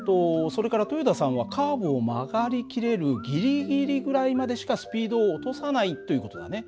それから豊田さんはカーブを曲がりきれるギリギリぐらいまでしかスピードを落とさないという事だね。